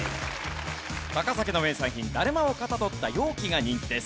高崎の名産品だるまをかたどった容器が人気です。